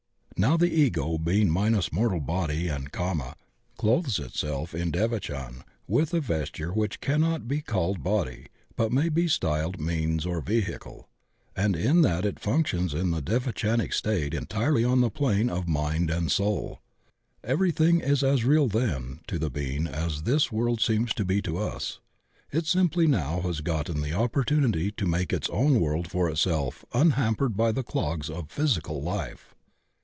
Now the Ego being minus mortal body and kama, clothes itself in devachan with a vesture which cannot he called body but may be styled means or vehicle, and in that it functions in the devachanic state en tirely on the plane of mind and soul. Everything is CAUSES MANIFEST IN TWO FIELDS 111 as real then to the being as this world seems to be to us. It simply now has gotten the opportunity to make its own world for itself unhampered by the clogs of physical life.